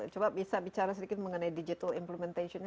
coba bisa bicara sedikit mengenai digital implementation nya